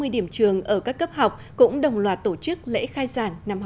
bốn trăm sáu mươi điểm trường ở các cấp học cũng đồng loạt tổ chức lễ khai